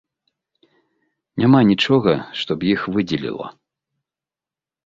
Няма нічога, што б іх выдзеліла.